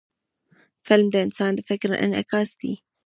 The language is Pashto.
فلم د انسان د فکر انعکاس دی